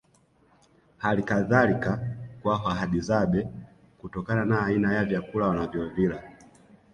Hali kadhalika kwa Wahadzabe kutokana na aina ya vyakula wanavyovila